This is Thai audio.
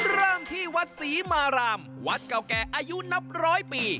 เริ่มที่วัดศรีมารามวัดเก่าแก่อายุนับร้อยปี